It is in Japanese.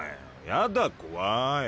やだ怖い。